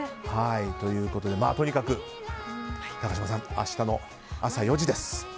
とにかく、高嶋さん明日の朝４時です。